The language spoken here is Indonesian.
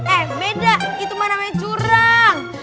eh beda itu namanya curang